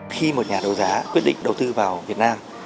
khi một nhà đấu giá quyết định đầu tư vào việt nam